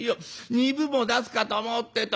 ２分も出すかと思うってえと」。